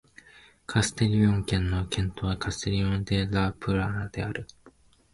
カステリョン県の県都はカステリョン・デ・ラ・プラナである